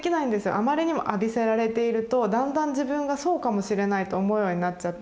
あまりにも浴びせられているとだんだん自分がそうかもしれないと思うようになっちゃって。